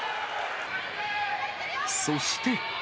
そして。